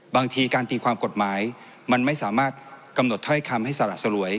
บางทีการตีความกฎหมายมันไม่สามารถกำหนดถ้อยคำให้สละสลวย